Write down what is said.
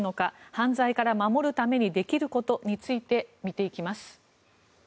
犯罪から守るためにできることについて見ていきます。